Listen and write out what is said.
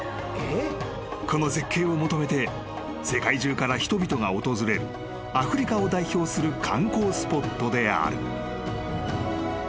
［この絶景を求めて世界中から人々が訪れるアフリカを代表する観光スポットである］